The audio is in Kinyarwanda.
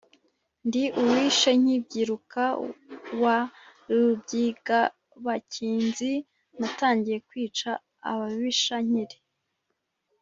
ndi uwishe nkibyiruka wa rubyigabakinzi: natangiye kwica ababisha nkiri